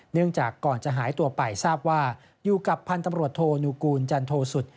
เนื่องจากก่อนจะหายตัวไปทราบว่าอยู่กับพันธุ์ตำรวจโทนุกูลจันโทสุทธิ